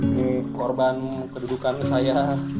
ini korban kedudukan saya